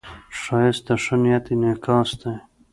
ښایست د ښه نیت انعکاس دی